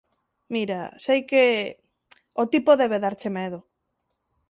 Mira, sei que... o tipo debe darche medo.